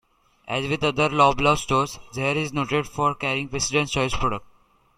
As with other Loblaw stores, Zehrs is noted for carrying President's Choice products.